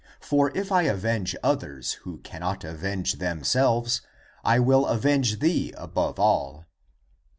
For if I avenge others who cannot avenge themselves, I will avenge thee above all."